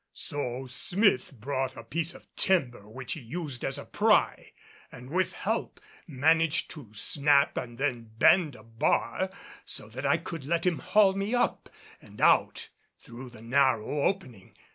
So Smith brought a piece of timber, which he used as a pry, and with help managed to snap and then bend a bar so that I could let them haul me up and out through the narrow opening.